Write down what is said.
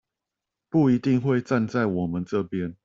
不一定會站在我們這邊